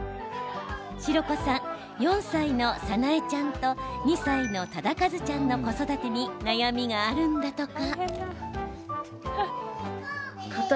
白子さん、４歳の紗七恵ちゃんと２歳の忠和ちゃんの子育てに悩みがあるんだとか。